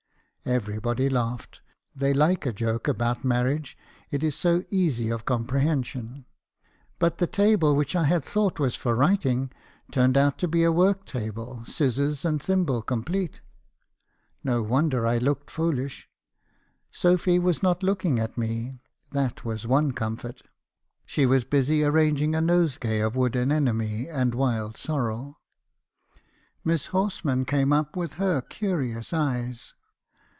"Everybody laughed. They like a joke about marriage, it is so easy of comprehension. But the table which I had thought was for writing, turned out to be a work table, scissors and thimble complete. No wonder I looked foolish. Sophy was not looking at me, that was one comfort. She was busy arranging a nosegay of wood anemone and wild sorrel. "Miss Horsman came up , with her curious eyes.